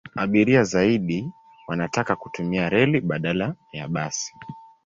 Abiria zaidi wanataka kutumia reli badala ya basi.